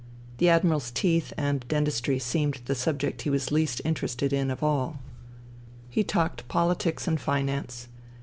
The Admiral's teeth and dentistry seemed the subject he was least interested in of all. He talked 170 FUTILITY politics and finance.